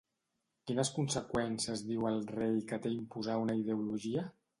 Quines conseqüències diu el rei que té imposar una ideologia?